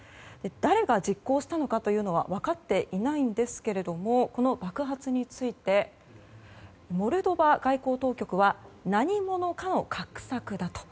誰が実行したのかというのは分かっていないんですがこの爆発についてモルドバ外交当局は何者かの画策だと。